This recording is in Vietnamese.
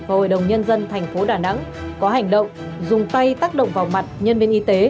và hội đồng nhân dân thành phố đà nẵng có hành động dùng tay tác động vào mặt nhân viên y tế